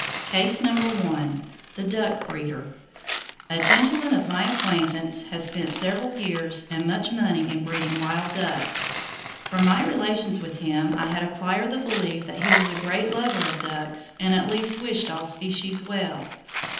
Case No. 1. The Duck Breeder. —A gentleman of my acquaintance has spent several years and much money in breeding wild ducks. From my relations with him, I had acquired the belief that he was a great lover of ducks, and at least wished all species well.